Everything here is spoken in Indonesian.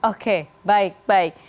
oke baik baik